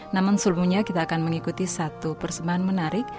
namun sebelumnya kita akan mengikuti satu persembahan menarik